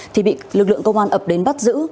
thì bị lực lượng công an ập đến bắt giữ